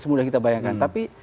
semudah kita bayangkan tapi